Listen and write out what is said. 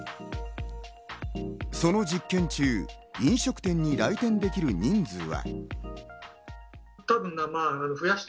その実験中、飲食店に来店できる人数は。